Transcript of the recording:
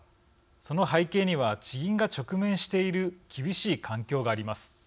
その背景には地銀が直面している厳しい環境があります。